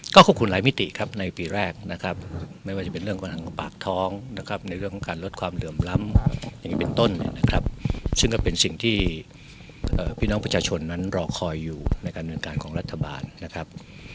ก็ควบคุมหลายมิติครับในปีแรกนะครับไม่ว่าจะเป็นเรื่องของปากท้องนะครับในเรื่องของการลดความเหลื่อมล้ำอย่างนี้เป็นต้นนะครับซึ่งก็เป็นสิ่งที่พี่น้องประชาชนนั้นรอคอยอยู่ในการเมืองการของรัฐบาลนะครับ